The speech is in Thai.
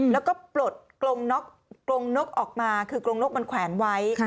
แล้วก็ปลดกรงนกออกมาคือกรงนกมันแขวนไว้